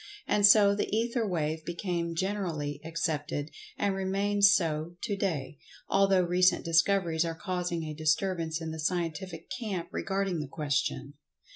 And so the Ether Wave became generally accepted, and remains so to day, although recent discoveries are causing a disturbance in the scientific camp regarding the question.